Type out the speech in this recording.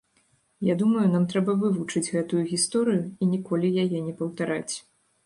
Я думаю, нам трэба вывучыць гэтую гісторыю і ніколі яе не паўтараць.